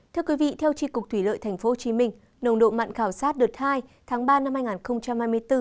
thưa quý vị theo tri cục thủy lợi tp hcm nồng độ mặn khảo sát đợt hai tháng ba năm hai nghìn hai mươi bốn